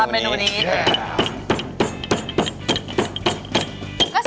อะไร